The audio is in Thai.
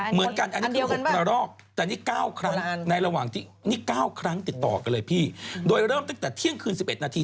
เหมือนกันอันนี้คือ๖ละรอบแต่นี่๙ครั้งติดต่อกันเลยพี่โดยเริ่มตั้งแต่เที่ยงคืน๑๑นาที